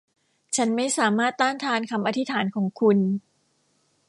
ฉันไม่สามารถต้านทานคำอธิษฐานของคุณ